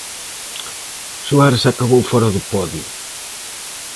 Suárez acabou fora do podio.